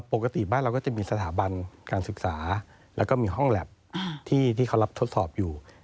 ปกติบ้านเราก็จะมีสถาบันการศึกษาแล้วก็มีห้องแล็บที่เขารับทดสอบอยู่